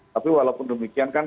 tapi walaupun demikian kan